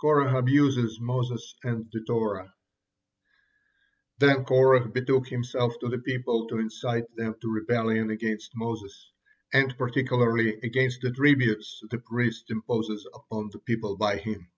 KORAH ABUSES MOSES AND THE TORAH Then Korah betook himself to the people to incite them to rebellion against Moses, and particularly against the tributes to the priests imposes upon the people by him.